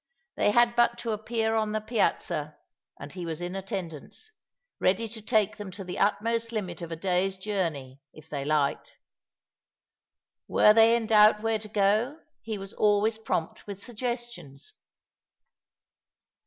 They had but to appear on the Piazza, and he was in attendance, ready to take them to the utmost limit of a day's journey, if they liked. "Were they in doubt where to go, he was always prompt with suggestions.